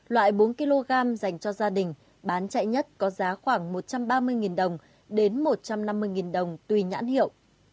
loại bốn kg dành cho gia đình bán chạy nhất có giá khoảng một trăm ba mươi đồng đến một trăm năm mươi đồng tùy nhãn hiệu